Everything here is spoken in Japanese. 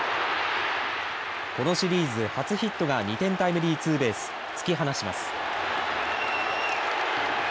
このシリーズ初ヒットが２点タイムリーツーベース突き放します。